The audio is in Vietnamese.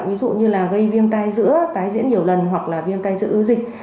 ví dụ như là gây viêm tai giữa tái diễn nhiều lần hoặc là viêm tai giữa ư dịch